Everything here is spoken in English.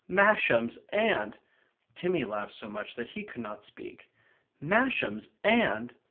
"Masham's aunt..." Timmy laughed so much that he could not speak. "Masham's aunt..."